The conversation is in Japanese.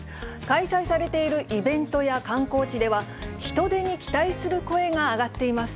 開催されているイベントや観光地では、人出に期待する声が上がっています。